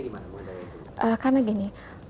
maksudnya gimana mengendalikan diri sendiri